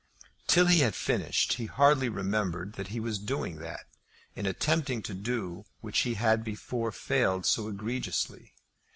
Till he had finished he hardly remembered that he was doing that, in attempting to do which he had before failed so egregiously.